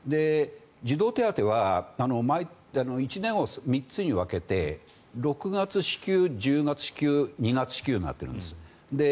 児童手当は１年を３つに分けて６月支給、１０月支給２月支給になっているんです。